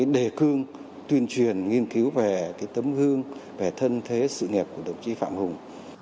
để tuyên truyền nghiên cứu về tấm hương về thân thế sự nghiệp của đồng chí phạm hùng